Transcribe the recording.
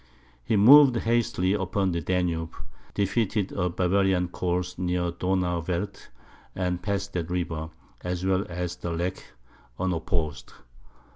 He moved hastily upon the Danube, defeated a Bavarian corps near Donauwerth, and passed that river, as well as the Lech, unopposed.